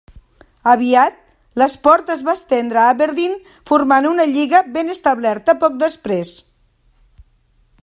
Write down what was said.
Aviat, l'esport es va estendre a Aberdeen formant una lliga ben establerta poc després.